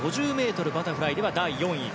５０ｍバタフライでは第４位。